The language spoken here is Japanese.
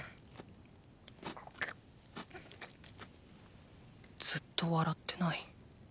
心の声ずっと笑ってない。